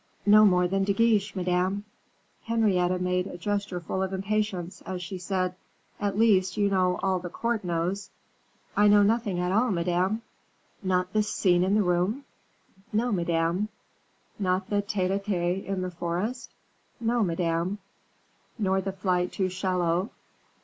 "No more than De Guiche, Madame." Henrietta made a gesture full of impatience, as she said, "At least, you know all the court knows." "I know nothing at all, Madame." "Not the scene in the storm?" "No, Madame." "Not the tete a tete in the forest?" "No, Madame." "Nor the flight to Chaillot?"